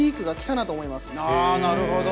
なるほど。